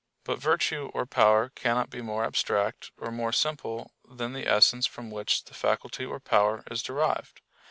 But virtue or power cannot be more abstract or more simple than the essence from which the faculty or power is derived.